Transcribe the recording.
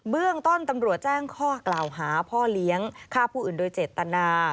เบื้องต้นตำรวจแจ้งข้อกล่าวหาพ่อเลี้ยงฆ่าผู้อื่นโดยเจตนา